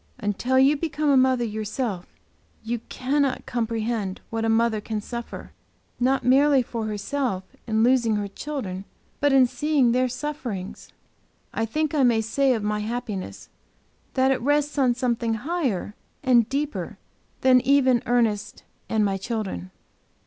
Until you become a mother yourself, you cannot comprehend what a mother can suffer, not merely for herself, in losing her children, but in seeing their sufferings. I think I may say of my happiness that it rests on something higher and deeper than even Ernest and my children."